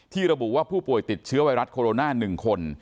ระบุว่าผู้ป่วยติดเชื้อไวรัสโคโรนา๑คน